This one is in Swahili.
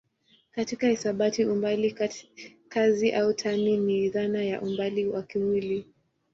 Katika hisabati umbali kazi au tani ni dhana ya umbali wa kimwili.